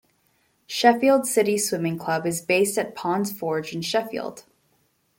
Sheffield City Swimming Club is based at Ponds Forge in Sheffield.